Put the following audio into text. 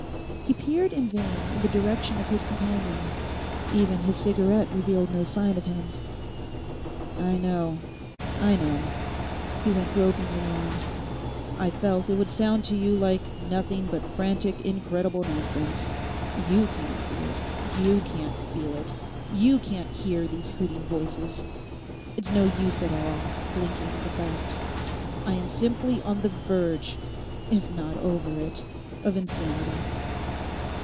He peered in vain in the direction of his companion. Even his cigarette revealed no sign of him. 'I know, I know,' he went gropingly on; 'I felt it would sound to you like nothing but frantic incredible nonsense. You can't see it. You can't feel it. You can't hear these hooting voices. It's no use at all blinking the fact; I am simply on the verge, if not over it, of insanity.